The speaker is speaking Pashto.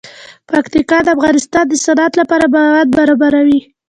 پکتیکا د افغانستان د صنعت لپاره مواد برابروي.